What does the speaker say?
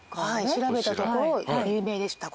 調べたところ有名でした。